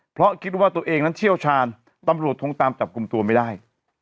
เพราะคิดว่าตัวเองนั้นเชี่ยวชาญตำรวจคงตามจับกลุ่มตัวไม่ได้